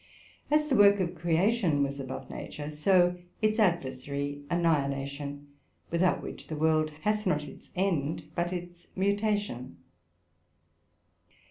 As the work of Creation was above nature, so its adversary annihilation; without which the World hath not its end, but its mutation.